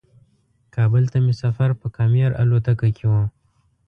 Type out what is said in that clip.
کابل ته مې سفر په کام ایر الوتکه کې و.